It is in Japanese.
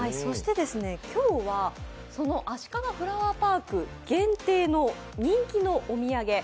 今日は、そのあしかがフラワーパーク限定の人気のおみやげ。